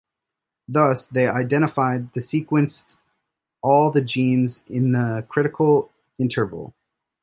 Thus, they identified and sequenced all the genes in the critical interval.